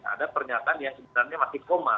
ada pernyataan yang sebenarnya masih koma